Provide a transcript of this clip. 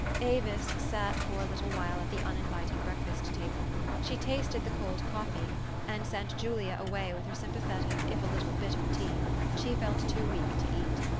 Avis sat for a little while at the uninviting break fast table ; she tasted the cold coffee, and sent Julia away with her sympathetic if a little bitter tea : she felt too weak to eat.